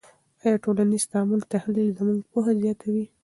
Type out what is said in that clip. آیا د ټولنیز تعامل تحلیل زموږ پوهه زیاتوي؟